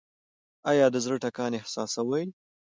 ایا د زړه ټکان احساسوئ؟